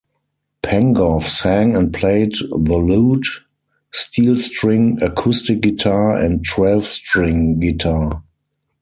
Pengov sang and played the lute, steel-string acoustic guitar and twelve-string guitar.